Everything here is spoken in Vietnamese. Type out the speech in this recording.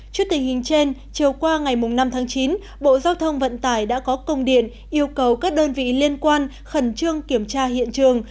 trước tình hình trên chiều qua ngày năm tháng chín bộ giao thông vận tải đã có công điện yêu cầu các đơn vị liên quan khẩn trương kiểm tra hiện trường